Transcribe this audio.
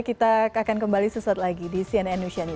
kita akan kembali sesuatu lagi di cnn news channel